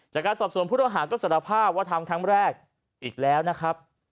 จากการสอบสวนผู้ต้องหาก็สารภาพว่าทำครั้งแรกอีกแล้วนะครับ